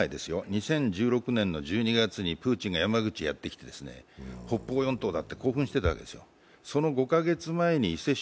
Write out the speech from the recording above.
２０１６年の１２月にプーチンが山口へやってきて北方四島だって興奮してたわけですよ。